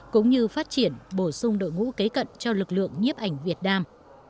cũng như phát triển bổ sung đội ngũ kế cận cho lực lượng nhiếp ảnh việt nam